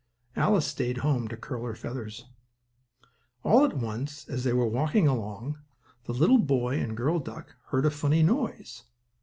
Alice stayed home to curl her feathers. All at once, as they were walking along, the little boy and girl duck heard a funny noise.